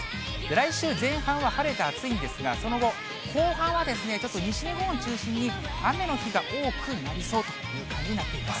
来週前半は晴れて暑いんですが、その後、後半はちょっと西日本を中心に、雨の日が多くなりそうという感じになっています。